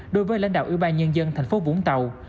đối với lãnh đạo ủy ban nhân dân thành phố vũng tàu